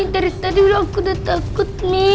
dari tadi aku udah takut mi